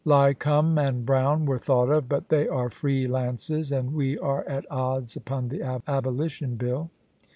Lycombe and Brown were thought of, but they are free lances, and we are at odds upon the Abolition Bill.